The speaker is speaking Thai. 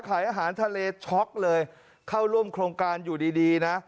ขายอาหารทะเลช็อกเลยเข้าร่วมโครงการอยู่ดีดีนะ